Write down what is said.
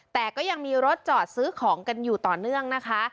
แต่ก็ยังมีรถจอดซื้อของกันอยู่ต่อเนื่องนะคะ